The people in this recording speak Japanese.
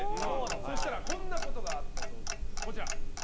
そしたらこんなことがあったそうです。